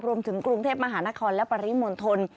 รวมถึงกรุงเทพมหานครและปริมณฑล